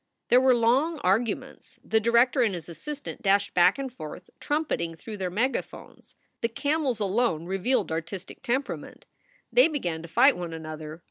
There were long arguments; the director and his assistant dashed back and forth, trumpeting through their megaphones. The camels alone revealed artistic temperament. They began to fight one another.